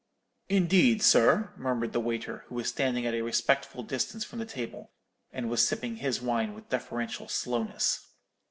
"'Indeed, sir,' murmured the waiter, who was standing at a respectful distance from the table, and was sipping his wine with deferential slowness.